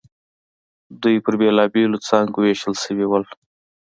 دوی پر بېلابېلو څانګو وېشل شوي وو.